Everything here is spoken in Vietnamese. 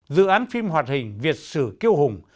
dự án phim hoạt hình việt sử kiêu hùng